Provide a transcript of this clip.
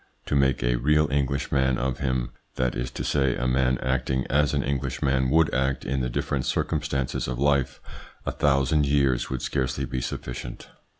To make a real Englishman of him, that is to say a man acting as an Englishman would act in the different circum stances of life, a thousand years would scarcely be sufficient.